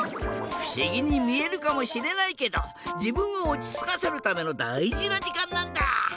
ふしぎにみえるかもしれないけどじぶんをおちつかせるためのだいじなじかんなんだ。